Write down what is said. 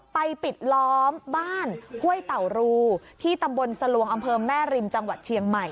ปิดล้อมบ้านห้วยเต่ารูที่ตำบลสลวงอำเภอแม่ริมจังหวัดเชียงใหม่